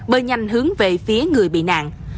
bơi nhanh hướng về phía người bị nạn